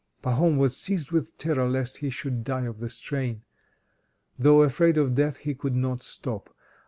Pahom was seized with terror lest he should die of the strain. Though afraid of death, he could not stop.